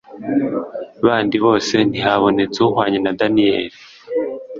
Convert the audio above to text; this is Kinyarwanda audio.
bandi bose ntihabonetse uhwanye na daniyeli na